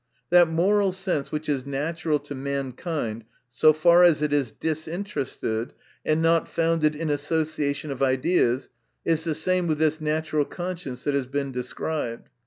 That moral sense which is natural to mankind, so far as it is disinterested and not founded in association of ideas, is the same with this natural consciencf that has been described.